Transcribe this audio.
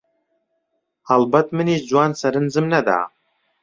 هەڵبەت منیش جوان سرنجم نەدا